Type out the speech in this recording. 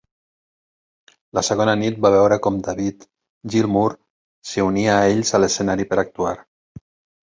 La segona nit va veure com David Gilmour s'unia a ells a l'escenari per actuar.